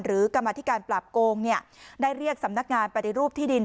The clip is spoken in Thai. กรรมธิการปราบโกงได้เรียกสำนักงานปฏิรูปที่ดิน